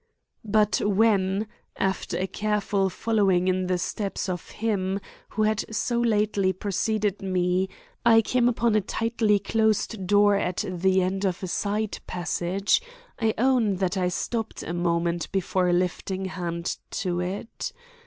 But when, after a careful following in the steps of him who had so lately preceded me, I came upon a tightly closed door at the end of aside passage, I own that I stopped a moment before lifting hand to it.